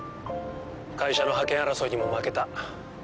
会社の覇権争いにも負けた。